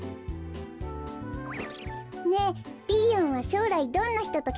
ねえピーヨンはしょうらいどんなひととけっこんしたい？